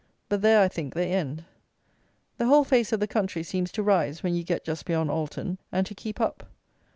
But there, I think, they end. The whole face of the country seems to rise, when you get just beyond Alton, and to keep up.